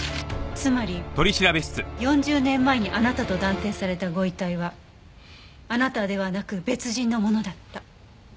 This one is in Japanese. つまり４０年前にあなたと断定されたご遺体はあなたではなく別人のものだった。